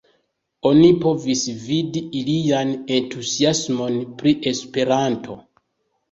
Oni povis vidi ilian entuziasmon pri Esperanto.